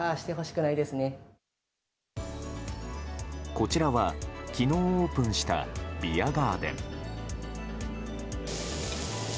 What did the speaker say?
こちらは昨日オープンしたビアガーデン。